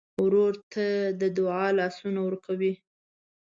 ورور ته د دعا سلامونه ورکوې.